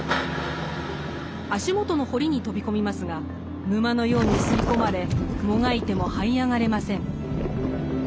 足元の堀に飛び込みますが沼のように吸い込まれもがいてもはい上がれません。